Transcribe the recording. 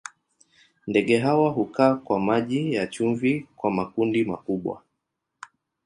Ndege hawa hukaa kwa maji ya chumvi kwa makundi makubwa.